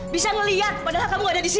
bisa ngelihat padahal kamu ada di sini